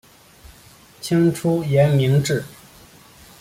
清初沿明制。